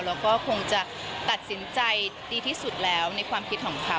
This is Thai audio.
แล้วก็คงจะตัดสินใจดีที่สุดแล้วในความคิดของเขา